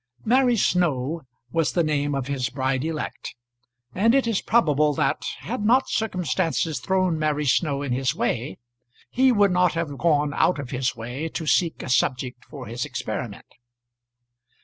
Mary Snow was the name of his bride elect; and it is probable that, had not circumstances thrown Mary Snow in his way, he would not have gone out of his way to seek a subject for his experiment.